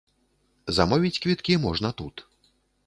Замовіць квіткі можна тут.